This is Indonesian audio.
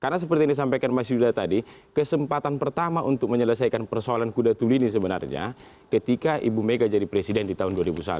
karena seperti yang disampaikan mas yudhoyang tadi kesempatan pertama untuk menyelesaikan persoalan kuda tuli ini sebenarnya ketika ibu mega jadi presiden di tahun dua ribu satu